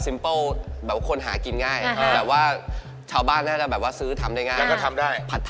สดพัดไทยเนี้ยน้ำหนักเยอะกว่าใครเพื่อนเลย๑๒๐กรัม